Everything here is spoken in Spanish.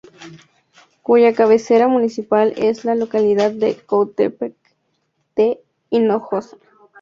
Cuya cabecera municipal es la localidad de Cuautepec de Hinojosa.